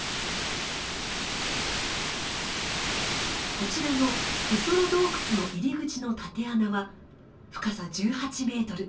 こちらのテソロ洞窟の入り口の縦穴は深さ１８ｍ。